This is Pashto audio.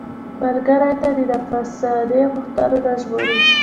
ملګری تا د نفساني غوښتنو نه ژغوري.